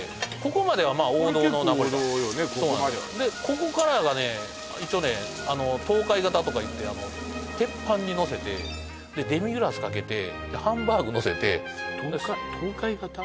ここまではねでここからがね一応ね東海型とかいってあの鉄板にのせてデミグラスかけてハンバーグのせてとうかとうかいがた？